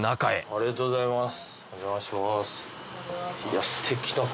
ありがとうございます。